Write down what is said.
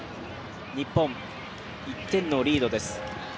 日本、１点のリードです。